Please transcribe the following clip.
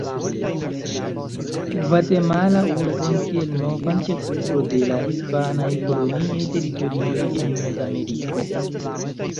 Gvatemala-urbon kiel novan ĉefurbon de la hispanaj koloniaj teritorioj en Mezameriko.